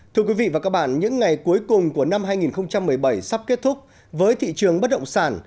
thưa quý vị và các bạn những ngày cuối cùng của năm hai nghìn một mươi bảy sắp kết thúc với thị trường bất động sản